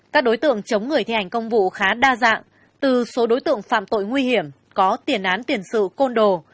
các đối tượng chống người thi hành công vụ khá đa dạng từ số đối tượng phạm tội nguy hiểm có tiền án tiền sự côn đồ